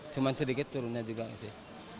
cuma sedikit turunnya juga nggak sih